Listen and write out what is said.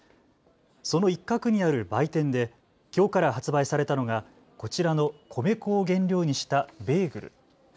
その一角にある売店できょうから発売されたのがこちらの米粉を原料にしたベーグル。